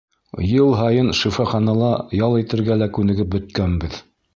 Йыл һайын шифаханала ял итергә лә күнегеп бөткәнбеҙ.